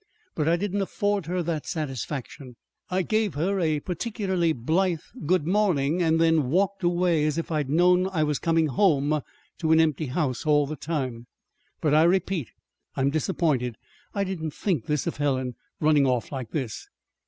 But I didn't afford her that satisfaction. I gave her a particularly blithe 'Good morning,' and then walked away as if I'd known I was coming home to an empty house all the time. But, I repeat, I'm disappointed. I didn't think this of Helen running off like this!"